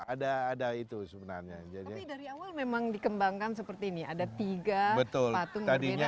ada ada itu sebenarnya jadi dari awal memang dikembangkan seperti ini ada tiga patung berbeda